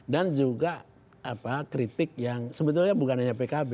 dan juga apa kritik yang sebetulnya bukan hanya pkb